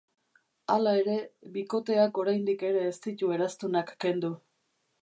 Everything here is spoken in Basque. Hala ere, bikoteak oraindik ere ez ditu eraztunak kendu.